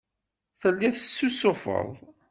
Telliḍ tessusufeḍ.